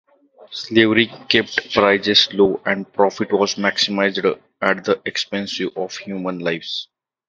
Slavery kept prices low and profit was maximized at the expense of human lives.